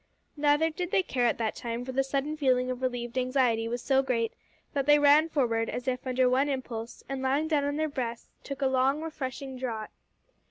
Neither did they care at that time, for the sudden feeling of relieved anxiety was so great, that they ran forward, as if under one impulse, and, lying down on their breasts, took a long refreshing draught.